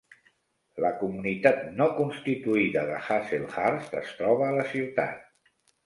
La comunitat no constituïda de Hazelhurst es troba a la ciutat.